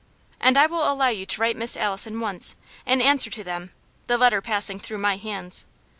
And I will allow you to write to Miss Allison once, in answer to them, the letter passing through my hands.